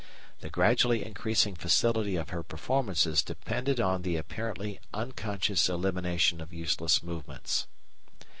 The gradually increasing facility of her performances depended on the apparently unconscious elimination of useless movements."